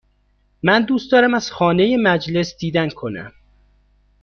من دوست دارم از خانه مجلس دیدن کنم.